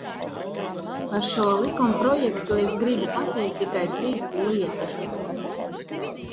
Par šo likumprojektu es gribu pateikt tikai trīs lietas.